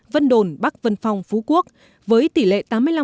vân đồn bắc vân phong phú quốc với tỷ lệ tám mươi năm sáu mươi ba